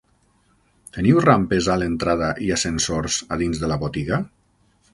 Teniu rampes a l'entrada, i ascensors a dins de la botiga?